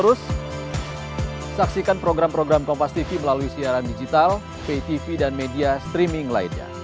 terus saksikan program program kompastv melalui siaran digital ptv dan media streaming lainnya